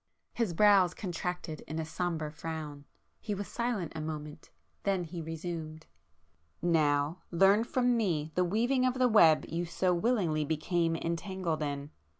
His brows contracted in a sombre frown,—he was silent a moment,—then he resumed— "Now learn from me the weaving of the web you so willingly became entangled in!